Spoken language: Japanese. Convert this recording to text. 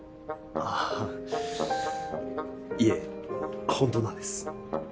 あいえ本当なんです。